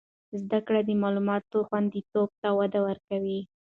زده کړه د معلوماتو خوندیتوب ته وده ورکوي.